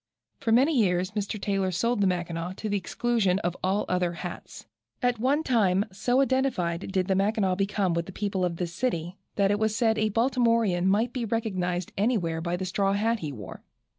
For many years Mr. Taylor sold the Mackinaw to the exclusion of all other straw hats. At one time so identified did the Mackinaw become with the people of this city, that it was said a Baltimorean might be recognized anywhere by the straw hat he wore.